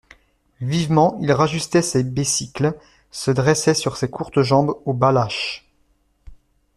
Vivement il rajustait ses besicles, se dressait sur ses courtes jambes aux bas lâches.